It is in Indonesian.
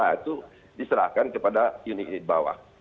nah itu diserahkan kepada unit unit bawah